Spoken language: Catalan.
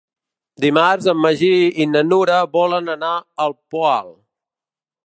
Dimarts en Magí i na Nura volen anar al Poal.